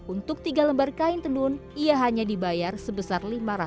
untuk tiga lembar kain tendun ia hanya dibayar sebesar lima ratus ribu rupiah